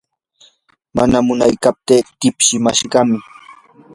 mana munaykaptii tipsimashqam.